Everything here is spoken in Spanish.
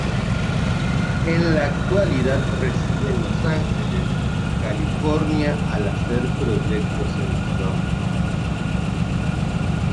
En la actualidad reside en Los Ángeles, California al hacer proyectos en Toronto.